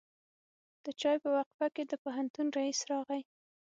د چای په وقفه کې د پوهنتون رئیس راغی.